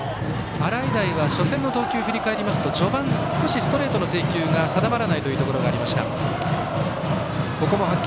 洗平は初戦の投球振り返りますと序盤、少しストレートの制球が定まらないというところがありました。